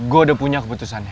gue udah punya keputusannya